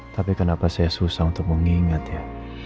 tapi kenapa saya susah untuk mengingat ya